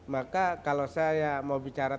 maka kalau saya mau bicara